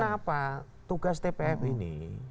karena apa tugas tpf ini